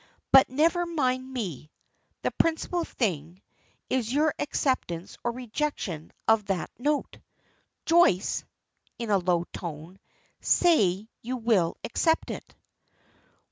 But never mind me; the principal thing is, your acceptance or rejection of that note. Joyce!" in a low tone, "say you will accept it."